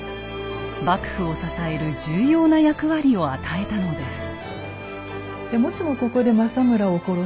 幕府を支える重要な役割を与えたのです。